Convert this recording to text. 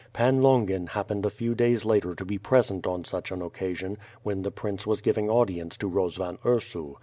Pan Longin happened a few days later to be present on such an occasion when the prince was giving aud ience to Eozvan Ursu.